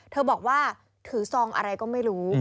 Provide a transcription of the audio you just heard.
เธอบอกว่าถือซองอะไรก็ไม่รู้